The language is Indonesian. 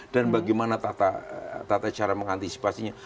dan bagaimana cara mengantisipasinya